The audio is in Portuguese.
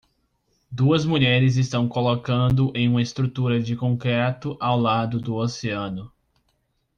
Duas mulheres estão colocando em uma estrutura de concreto ao lado do oceano.